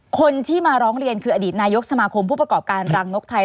คนที่มาร้องเรียนคืออดีตนายกสมาคมผู้ประกอบการรังนกไทย